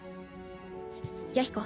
弥彦。